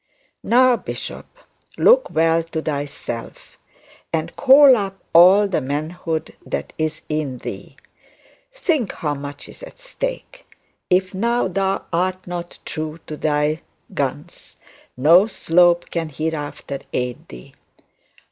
Now, bishop, look well to thyself, and call up all the manhood that is in thee. Think how much is at stake. If now thou art not true to thy guns, no Slope can hereafter aid thee.